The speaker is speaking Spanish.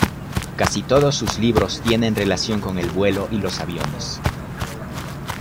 Casi todos sus libros tienen relación con el vuelo y los aviones.